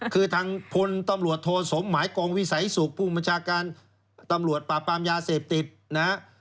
คือทางพลตำรวจโทสมหมายกองวิสัยสุขผู้บัญชาการตำรวจปราบปรามยาเสพติดนะฮะ